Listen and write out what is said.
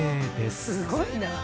すごいなあ。